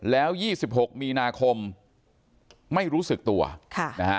แล้ว๒๖มีนาคมไม่รู้สึกตัวค่ะนะฮะ